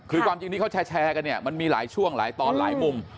คือความจริงที่เขาแชร์กันเนี่ยมันมีหลายช่วงหลายตอนหลายมุม